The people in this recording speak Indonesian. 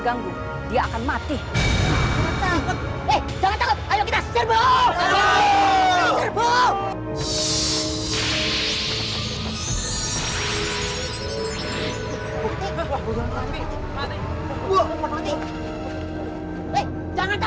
kamu pasti melihat jin